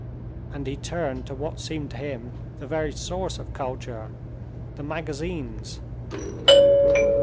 And he turned to what seemed to him the very source of culture—the magazines.